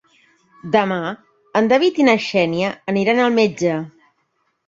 Demà en David i na Xènia aniran al metge.